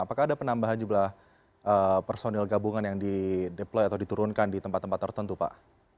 apakah ada penambahan jumlah personil gabungan yang di deploy atau diturunkan di tempat tempat tertentu pak